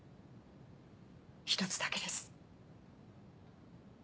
一つだけです。